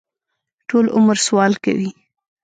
ټول عمر سوال کوي.